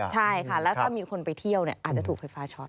ใช่ค่ะแล้วถ้ามีคนไปเที่ยวอาจจะถูกไฟฟ้าช็อต